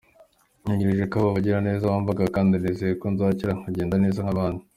Ntegereje ko aba bagiraneza bambaga kandi nizeye ko nzakira nkagenda neza nk’abandi.